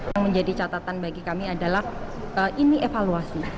yang menjadi catatan bagi kami adalah ini evaluasi